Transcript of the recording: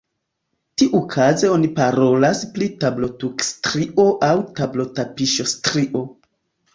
Tiukaze oni parolas pri tablotukstrio aŭ tablotapiŝostrio.